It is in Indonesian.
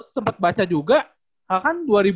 sempet baca juga kak kan